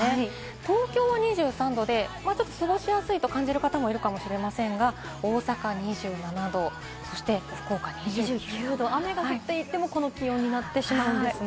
東京は２３度で過ごしやすいと感じる方もいるかもしれませんが、大阪２７度、福岡２９度、雨が降っていても、この気温になってしまうんですね。